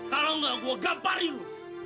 kalau nggak gue gamparin lu